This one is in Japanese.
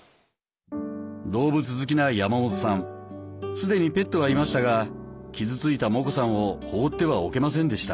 既にペットはいましたが傷ついたモコさんを放ってはおけませんでした。